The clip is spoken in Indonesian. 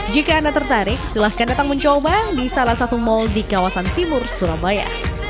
jika anda tertarik silahkan datang mencoba di salah satu mal di kawasan timur surabaya